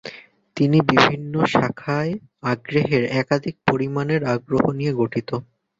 তিনি বিভিন্ন শাখায় আগ্রহের একাধিক পরিমাণের আগ্রহ নিয়ে গঠিত